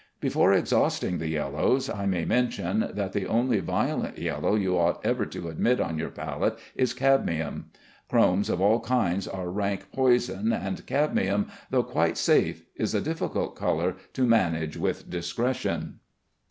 Before exhausting the yellows, I may mention that the only violent yellow you ought ever to admit on your palette is cadmium. Chromes of all kinds are rank poison, and cadmium, though quite safe, is a difficult color to manage with discretion.